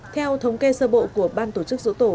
theo thống kê sơ bộ của ban tổ chức dỗ tổ